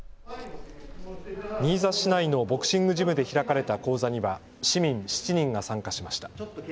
新座市内のボクシングジムで開かれた講座には市民７人が参加しました。